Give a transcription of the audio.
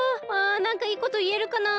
あなんかいいこといえるかな？